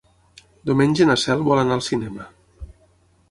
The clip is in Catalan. Diumenge na Cel vol anar al cinema.